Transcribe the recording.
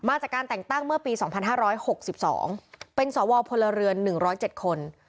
จากการแต่งตั้งเมื่อปี๒๕๖๒เป็นสวพลเรือน๑๐๗คน